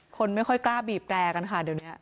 คนไม่ค่อยกล้าบีบแรร์กันค่ะเดี๋ยวนี้